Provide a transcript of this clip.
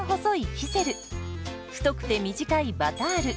太くて短いバタール。